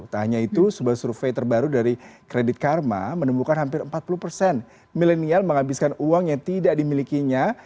tak hanya itu sebuah survei terbaru dari kredit karma menemukan hampir empat puluh persen milenial menghabiskan uang yang tidak dimilikinya